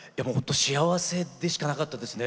幸せでしかなかったですね。